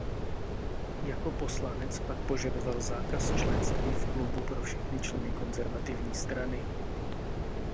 Jako poslanec pak požadoval zákaz členství v klubu pro všechny členy Konzervativní strany.